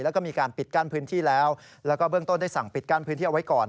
แล้วก็มีการปิดกั้นพื้นที่แล้วแล้วก็เบื้องต้นได้สั่งปิดกั้นพื้นที่เอาไว้ก่อน